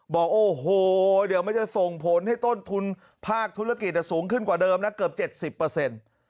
บอกโอ้โหเดี๋ยวมันจะส่งผลให้ต้นทุนภาคธุรกิจสูงขึ้นกว่าเดิมนะเกือบเจ็ดสิบเปอร์เซ็นต์